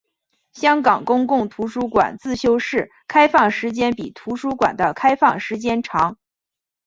香港公共图书馆自修室开放时间比图书馆的开放时间长。